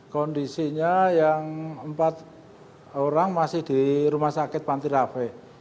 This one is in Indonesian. kondisinya yang empat orang masih di rumah sakit pantirafi